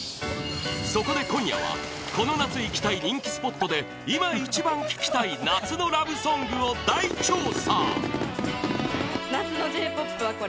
そこで今夜はこの夏行きたい人気スポットで今一番聴きたい夏のラブソングを大調査！